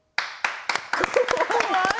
怖い。